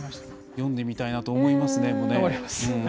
読んでみたいなと思いますね。